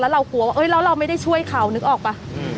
เรากลัวว่าแล้วเราไม่ได้ช่วยเขานึกออกป่ะ